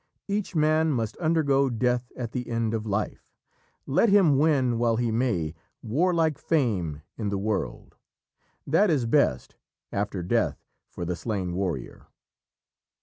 Each man must undergo death at the end of life. Let him win, while he may, warlike fame in the world! That is best after death for the slain warrior."